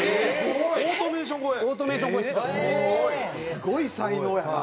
すごい才能やな。